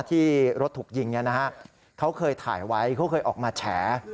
ที่รถถูกยิงเขาเคยถ่ายไว้เขาเคยออกมาแฉ